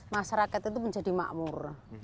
masyarakat itu menjadi makmur